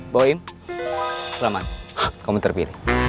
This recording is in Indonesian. boim ramad kamu terpilih